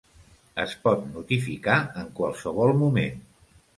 Es pot notificar en qualsevol moment.